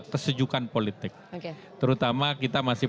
kesejukan politik terutama kita masih